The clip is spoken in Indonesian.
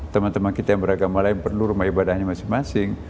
teman teman kita yang beragama lain perlu rumah ibadahnya masing masing